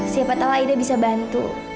siapa tahu aida bisa bantu